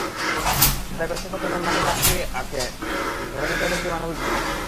তাঁদের ব্যর্থতা যখন মাঠে চকখড়ি আঁকে, ধরে নিতে হবে সেটি মানবিক ভুল।